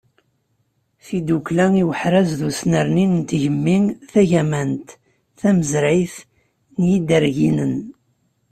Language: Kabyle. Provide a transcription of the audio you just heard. Tidukla i uḥraz d usnerni n tgemmi tagamant tamezrayt n Yiderginen.